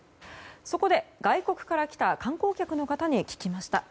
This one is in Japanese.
そこで、外国人から来た観光客の方に聞きました。